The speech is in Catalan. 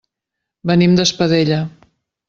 Venim d'Espadella.